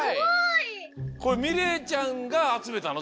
これみれいちゃんがあつめたの？